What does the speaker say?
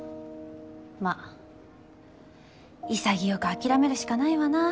まあ潔く諦めるしかないわな。